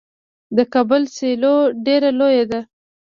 د کابل سیلو ډیره لویه ده.